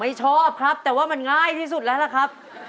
ชอบครับแต่ว่ามันง่ายที่สุดแล้วล่ะครับ